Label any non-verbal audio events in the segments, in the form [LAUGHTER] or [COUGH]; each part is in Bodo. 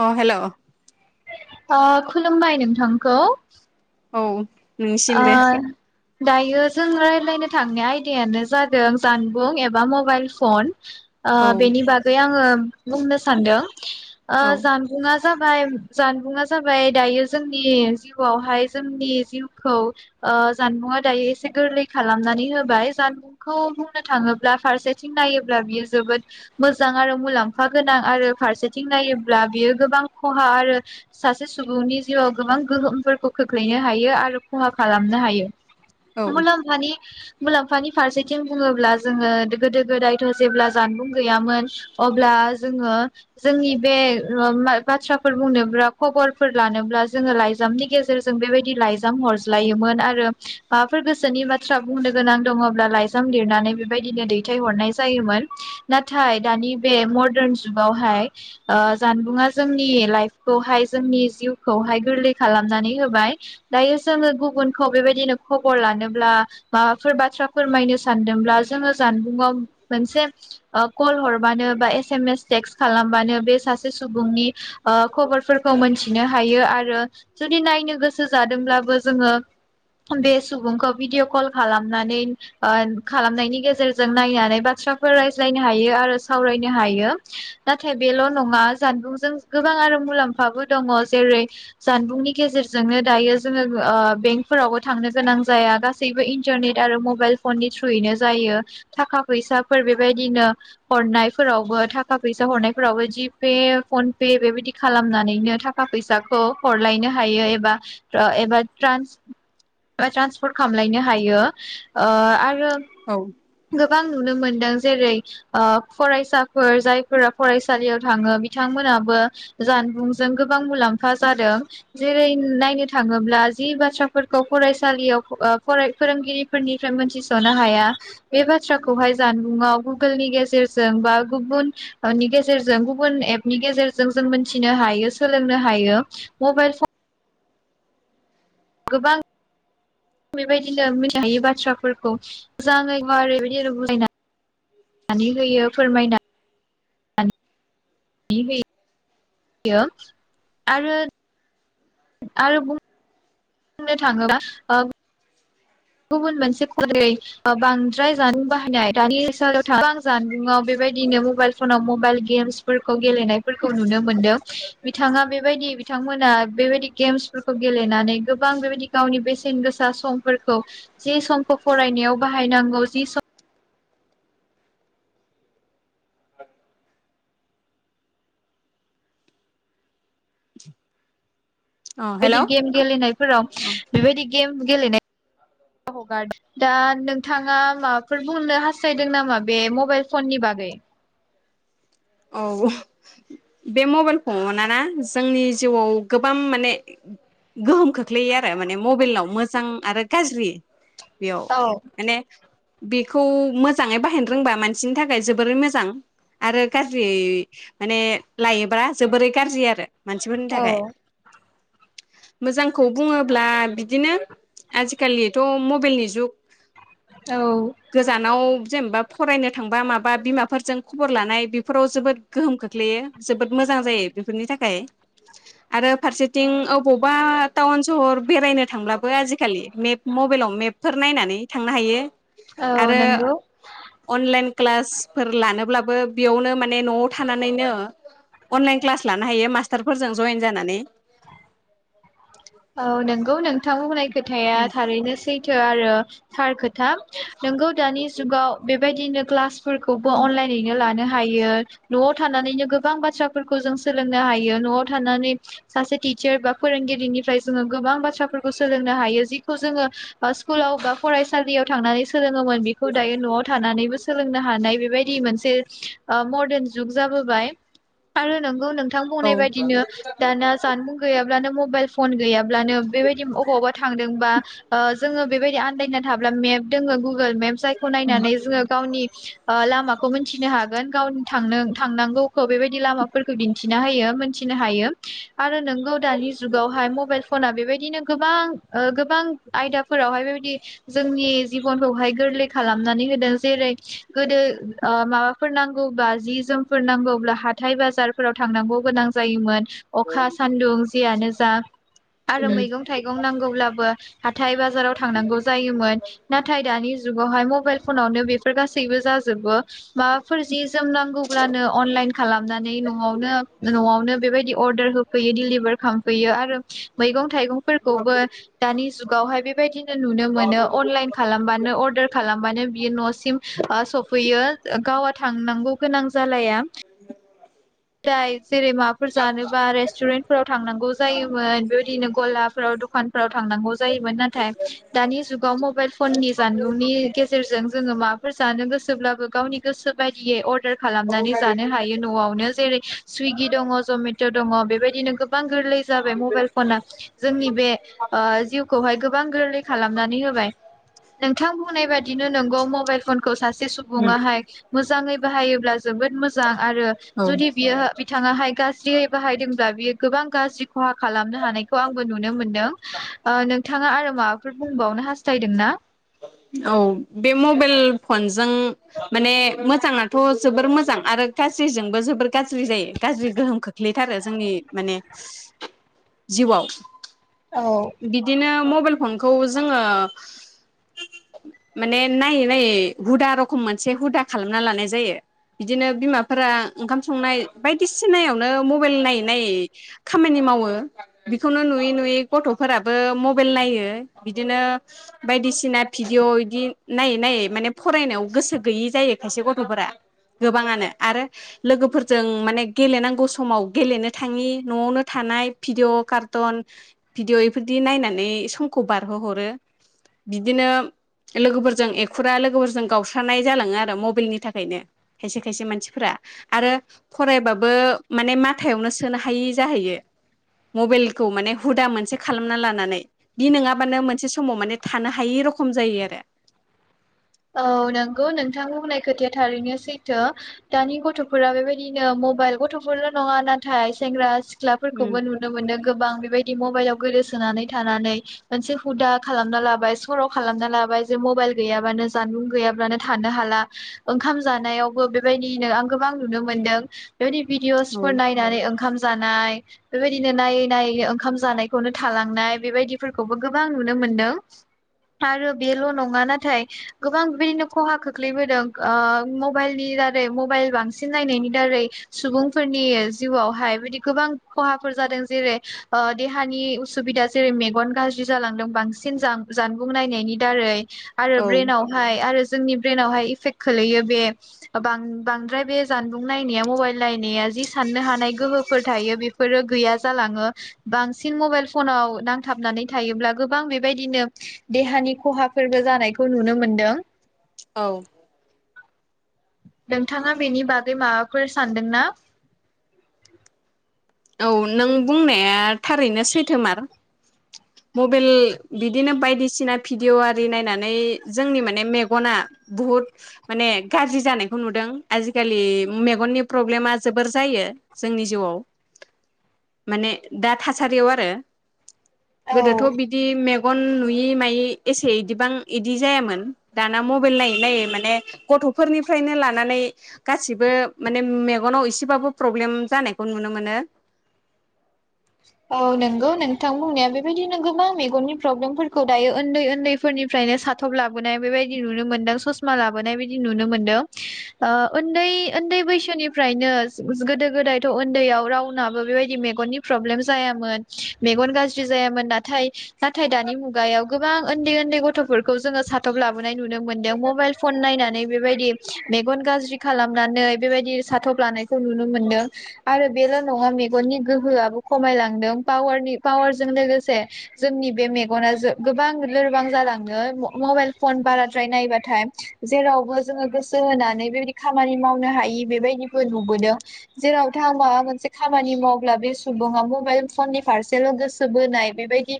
अ हेलौ। अ खुलुमबाय नोंथांखौ। औ। आ दायो जों रायज्लायनो थांनाय आयदायानो जादों जानबुं एबा मबाइल फन। ओ औ बेनि बागै आङो बुंनो सान्दों। औ जानबुङा जाबाय जानबुंङा जाबाय दायो जोंनि जिउआवहाय जोंनि जिउ खौ ओ जानबुंङा दायो एसे गोरलै खालामनानै होबाय। जानबुंखौ बुंनो थाङोब्ला फारसेथिं नायोब्ला बियो गौ ओ जानबुङा दायो एसे गोरलै खालामनानै होबाय जानबुंखौ बुंनो थांङोब्ला फारसेथिं नायोब्ला बेयो जोबोद मोजां आरो मुलाम्फा गोनां आरो फारसेथिं नायोब्ला बियो गोबां खहा आरो सासे सुबुंनि जिउआव गोबां गोहोमफोरखौ खोख्लैनो हायो आरो खहा खालामनो हायो। औ मुलम्फानि मुलाम्फानि फारसेथिं बुङोब्ला जोङो गोदो गोदायथ' जेब्ला जामबुं गैयामोन अब्ला जोङो जोंनि बे ओ बाथ्राफोर बुंनोब्ला खबरफोर लानोब्ला जोङो लाइजामनि गेजेरजों बेबायदि लाइजाम हरसो लोयोमोन आरो माबाफोर गोसोनि बाथ्रा बुंनो गोनां दङब्ला लाइजाम लिरनानै बेबायदिनो दैथायहरनाय जायोमोन। नाथाय दानि बे मदारन जुगावहाय ओ जामबुङा जोंनि लाइफखौहाय जोंनि जिउखौहाय गोरलै खालामनानै होबाय। दायो जो ङो गुबुनखौ बेबायदिनो खबर लानोब्ला माबाफोर बाथ्रा फोरमायनो सानदोंब्ला जोङो जानबुङाव मोनसे कल हरबानो बा एस एम एस टेक्ट खालामबानो बे सासे सुबुंनि ओ खबरफोरखौ मोनथिनो हायो। आरो जुदि नायनो गोसो जादोंब्लाबो जोङो बे सुबुंखौ भिडिअ' कल खालामनानै ओ खालामनायनि गेजेरजों नायनानै बाथ्राफोर रायज्लायनो हायो आरो सावरायनो हायो। नाथाय बेल' नङा जानबुंजों गोबां आरो मुलाम्फाबो दङ जेरै जानबुंनि गेजेरजोंनो दायो जोङो ओ बेंकफोरावबो थांनो गोनां जाया गासैबो इन्टारनेट आरो मबाइल फननि थ्रुयैनो जायो। थाखा फैसाफोर बेबायदिनो हरनायफोरावबो थाखा फैसा हरनायफोरावबो जिपे, फनपे बेबायदि खालामनानैनो थाखा फैसाखौ हरलायनो हायो एबा ओ एबा ट्रान्स ट्रान्सपर्ट खालामलायनो हायो। ओ आ रो औ गोबां नुनो मोनदों जेरै ओ फरायसाफोर जायफोरा फरायसालियाव थाङो बिथांमोनाबो जानबुंजों गोबां मुलाम्फा जादों। जेरै नायनो थाङोब्ला जि बाथ्राफोरखौ फरायसालियाव ओ फराय फोरोंगिरिफोरनिफ्राय मोन्थिस'नो हाया बे बाथ्राखौहाय जानबुंङाव गुगोलनि गेजेरजों बा गुबुननि गेजेरजों गुबुन एपनि गेजेरजों जों मोन्थिनो हायो सोलोंनो हायो। मबाइल फन गोबां बेबायदिनो मिथिहायै बाथ्रा। फोरखौ मोजाङै गुवारै ओरै [UNINTELLIGIBLE] बायदि बुंलायनानै होयो फोरमायना बि हो यो। आरो आरो बुं नो थाङोब्ला ओ गुबुन मोनसे ख [UNINTELLIGIBLE] रै बांद्राय जा [UNINTELLIGIBLE] बाहायनाय दानि [UNINTELLIGIBLE] गोबां जानबुंङाव बेबायदिनो मबाइल फनाव मबाइल गेम्सफोरखौ गेलेनायफोरखौ नुनो मोनदों। बिथाङा बेबायदि बिथांमोना बेबायदि गेम्सफोरखौ गेलेनानै गोबां बेबायदि गावनि बेसेन गोसा समफोर खौ जि समखौ फरायनायाव बाहायनांगौ जि सम ओ। अ हेल' बेबायदि औ गेम गेलेनायफोराव बेबायदि गेम गेलेनाय [INAUDIBLE] हगारदों। दा नोंथाङा माबाफोर बुंनो हास्थायदों नामा बे मबाइल फननि बागै? औ बे मबाइल फननाना जोंनि जिउआव गोबां माने गोहोम खोख्लैयो आरो माने मबाइलाव मोजां आरो गाज्रि बेयाव औ माने बेखौ मोजाङै बाहायनो रोंबा मानसिनि थाखाय जोबोरै मोजां आरो गाज्रि माने लायोब्ला जोबोरै गाज्रि आरो। मानसिफोरनि औ थाखाय। मोजांखौ बुङोब्ला बिदिनो आजिखालिथ' मबाइलनि जुग। औ गोजानाव जेनेबा फरायनो थांबा माबा बिमाफोरजों खबर लानाय बे फोराव जोबोद गोहोम खोख्लैयो। जोबोद मोजां जायो बेफोरनि थाखाय आरो फारसेथिं अबावबा टाउन सहर बेरायनो थांब्लाबो आजिखालि मेप मबाइलाव मेपफोर नायनानै थांनो हायो। औ आरो नंगौ अनलाइन क्लासफोर लानोब्लाबो बेवनो माने नवाव थानानैनो अनलाइ क्लास लानो हायो मासटारफोरजों जयेन जानानै। औ नोंगौ नोंथां बुंनाय खोथाया थारैनो सै थो आरो। थार खोथा नोंगौ दानि जुगाव बे बेबायदिनो क्लास फोरखौबो अनलाइनैनो लानो हा हायो। न'वाव थानानैनो गोबां बाथ्राफोरखौ जों सोलोंनो हायो। न'वाव थानानै सासे टिचार बा फोरोंगिरिनिफ्राय जोङो गोबां बाथ्राफोरखौ सोलोंनो हायो। जिखौ जोङो ओ स्कुलाव बा फरायसालियाव थांनानै सो सोलोङोमोन बेखौ दायो नवाव थानानैबो सोलोंनो हानाय बेबायदि मोनसे ओ मदार्न जुग जाबोबाय। आरो नोंगौ नोंथां औ बुंनाय बायदिनो दाना जानबुं गैयाब्लानो मबाइल फन गैया ब्लानो बेबायदि अबावबा थांदोंबा ओ जोङो बेबायदि आन्दायना थाब्ला मेप दोङो गु गुगोल मेप जायखौ नायनानै जोङो गावनि ओ लामाखौ मोनथिनो हागोन गावनि थांनो थांनांगौखौ बेबायदि लामाफोरखौ दिन्थिना होयो मोनथिनो हायो। आरो नोंगौ दानि जुगावहाय मबाइल फना बेबायदिनो गोबां ओ गोबां आयदाफोरावहाय बेबायदि जोंनि जिबनखौहाय गोरलै खालामनानै होदों जेरै गोदो ओ माबाफोर नांगौब्लाा जि जोमफोर नांगौब्ला हाथाय बाजारफोराव थांनांगौ गोनां जायोमोन। अखा सान्दुं जियानो जा आरो मैगं थाइगं नांगौब्लाबो हाथाय बाजाराव थांनांगौ जायोमोन। नाथाय दानि जुगाव बेवहाय मबाइल फनावनो बेफोर गासैबो जाजोबो माबाफोर जि जोम नांगौब्लानो अनलाइन खालामनानैनो नवावनो नवावनो बेबायदि अर्दार होफैयो दिलिभार खालामफैयो आरो मैगं थाइगंफोरखौबो दानि जुगावहाय बेबायदिनो नुनो मोनो अनलाइन खालामबानो अर्डार खालामबानो बियो न'सिम ओ सफैयो गावा थांनांगौ गोनां जालाया। ओमफ्राय जेरै माबाफोर जानोबा रेस्टुरेन्टफोराव थांनांगौ जायोमोन बेबायदिनो गलाफोराव दखानफोराव थांनांगौ जायोमोन। नाथाय दानि जुगाव मबाइल फननि जानबुंनि गेजेरजों जोङो माबाफोर जानो गोसोब्लाबो गावनि गोसोबायदियै अर्डार खालामनानै जानो हायो न'आवनो। सुइगि दङ, जमेट' दङ बेबायदिनो गोबां गोरलै जाबाय मबाइ फना। जोंनि बे ओ जिउखौहाय गोबां गोरलै खालामनानै होबाय। नोंथांनाय बुंनाय बादिनो नंगौ मबाइल फनखौ सा से सुबुङाहाय मोजाङै बाहायोब्ला जोबोद मोजां आरो औ जुदि बियो बिथाङाहाय गाज्रियै बाहायदोंब्ला बियो गोबां गाज्रि खहा खालामनो हानायखौ आंबो नुनो मोनदों। ओ नों नोंथाङा आरो माबाफोर बुंबावनो हास्थायदों ना? औ बे मबाइल फनजों माने मोजाङाथ' जोबोर मोजां आरो गाज्रिजोंबो जोबोर गाज्रि जायो गाज्रि गोहोम खोख्लैथारो जोंनि माने जिउआव। औ बिदिनो म म'बाइल फनखौ जोङो माने नायै नायै हुदा रखम मोनसे हुदा खालामना लानाय जायो। बिदिनो बिमाफोरा ओंखाम संनाय बायदिसिनायावनो मबाइल नायै नायै खामानि मावो। बेखौनो नुयै नुयै गथ'फोराबो मबाइल नायो बिदिनो बायदिसिना भिडिय बिदि नायै नायै माने फरायनायाव गोसो गैयि जायो खायसे गथ'फोरा गोबाङानो आरो लोगोफोरजों माने गेलेनांगौ समाव गेलेनो थाङि न'आवनो थानाय भिडिअ कार्टन भिडिअ बेफोरदि नायनानै समखौ बारहोहरो। बिदिनो लोगोफोरजों एखुरा लोगोफोरजों गावस्रानाय जालाङो आरो मबाइलनि थाखायनो खायसे खायसे मानसिफोरा आरो फरायबाबो माने माथायावनो सोनो हायि जाहैयो मबाइलखौ माने हुदा मोनसे खालामना लानानै बि नङाबानो मोनसे समाव माने थानो हायि र खम जायो आरो। औ नंगौ नोंथांनि होननाय खोथाया थारैनो सैथो दानि गथ'फोरा बेबायदिनो मबाइल गथ'फोरल' नङा नाथाय सेंग्रा उम सिख्लाफोरखौबो नुनो मोनो गोबां बेबाय दि मबाइलाव गोदो सोनानै थानानै मोनसे हुदा खालामना लाबाय सर' खालामना लाबाय जे मबाइल गैयाबानो जानबुं गैयाब्लानो थानो हाला, ओंखाम जानायावबो बेबायदिनो आं गोबां नुनो मोनदों। बेबायदि औ भिदिअसफोर नायनानै ओंखाम जानाय बेबायदिनो नायै नायै ओंखाम जानायखौनो थालांनाय बेबायदिफोरखौबो गोबां नुनो मोनदों। आरो बेल' नङा नाथाय गोबां बिबायदिनो खहा खोख्लैबोदों, मबाइलनि दारै मबाइल बांसिन नायनायनि दारै सुबुंफोरनि जिउआवहाय बिदि गोबां खहाफोर जादों। जेरै देहानि उसुबिदा, जेरै मेगन गाज्रि जालांदों बांसिन जानबुं नायनायनि दारै। आरो औ ब्रेनाव हाय आरो जोंनि ब्रेनावहाय इफेक्ट खोलैयो बे बांद्राय बे जानबुं नायनाया मबाइल नायनाया जि साननो हानाय गोहोफोर थायो बेफोरो गैया जालाङो। बांसिन मबाइल फनाव नांथाबनानै थायोब्ला गोबां बेबायदिनो देहानि खहाफोरबो जानायखौ नुनो मोन दों। औ नोंथाङा बेनि बागै माबाफोर सानदोंना? औ नों बुंनाया थारैनो सैथोमार। मबाइल बिदिनो बायदिसिना भिडिअ' आरि नायनानै जोंनि माने मेगना बुहुद माने गाज्रि जानायखौ नुदों। आजिखालि मेगननि प्रब्लेमा जोबोर जायो जोंनि जिउआव। माने दा थासारियाव आरो। औ गोदोथ' बिदि मे गन नुयै मायै एसे बिदिबां बिदि जायामोन। दाना मबाइल नायै नायै माने गथ'फोरनिफ्रायनो लानानै गासिबो माने मेगनाव एसेबाबो प्रब्लेम जानायखौ नुनो मोनो। औ नोंगौ नोंथां बुंनाया बेबायदिनो गोबां मेगननि प्रब्लेमफोरखौ दायो उन्दै उन्दैफोरनिफ्रायनो साथब लाबोनाय बेबायदि नुनो मोनदों ससमा लाबोनाय बायदि नुनो मोनदों। ओ उन्दै उन्दै बैसोनिफ्रायनो गोदो गोदायथ' उन्दैयाव रावनाबो बेबायदि मेगननि प्रब्लेम जायामोन मेगन गाज्रि जायामोन नाथाय नाथाय दानि मुगायाव गोबां उन्दै उन्दै गथ' गथ'फोरखौ जोङो साथब लाबोन नाय नुनो मोनदों, मबाइल फन नायनानै बेबादि मेगन गाज्रि खालामनानै बेबादि साथब लानायखौ नुनो मोनदों, आरो बेल' नङा मेगननि गोहोआबो खमायलांदों पावारनि पावारजों लोगोसे जोंनि बे मेगना गोबां लोरबां जालांदों मबाइल फन बाराद्राय नायबाथाय जेरावबो जोङो गोसो होनानै बेबायदि खामानि मावनो हायि बेबायदिबो नुबोदों जेरावथां माबा मोनसे खामानि मावब्ला बे सुबुङा मबाइल फननि फारसेल' गोसो बोनाय बेबायदि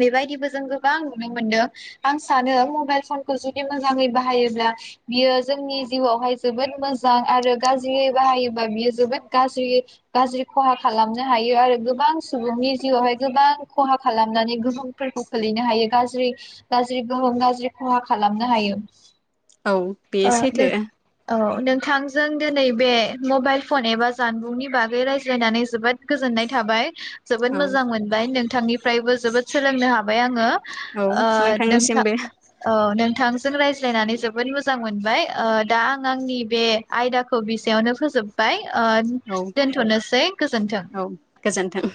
बेबायदिबो जों गोबां नुनो मोनदों। आं सानो मबाइल फनखौ जुदि मोजाङै बाहायोब्ला बियो जोंनि जिउआवहाय जोबोद मोजां आरो गाज्रियै बाहायोबा बियो जोबोद गाज्रि खहा खालामो। हायो आरो गोबां सुबुंनि जिउआवहाय गोबां खहा खालामनानै गोहोमफोरखौ खोलैनो हायो। गाज्रि गाज्रि गोहोम गाज्रि खहा खालामनो हायो। औ बे ओ नों सैथो औ नोंथांजों दिनै बे मबाइल फन एबा जानबुंनि बागै रायज्लायनानै जोबोद गोजोननाय थाबाय जोबोद औ मोजां मोनबाय नोंथांनि फ्रायबो जोबोद सोलोंनो हाबाय आङो। औ ओ नोंथां नोंथांनिसिमबो ओ नोंथांजों रायज ज्लायनानै जोबोद मोजां मोनबाय दा आं आंनि बे आयदाखौ बिसेयावनो फोजोबबाय। ओ औ दोनथ'नोसै गोजोन्थों औ गोजोन्थों।